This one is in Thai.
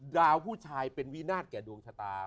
ผู้ชายเป็นวินาศแก่ดวงชะตา